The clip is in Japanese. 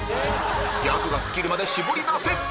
ギャグが尽きるまで絞り出せ！